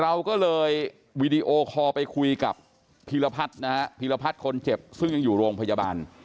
เราก็เลยวิดีโอคอล์ไปคุยกับภีรพัชคนเจ็บซึ่งอยู่โรงพยาบาล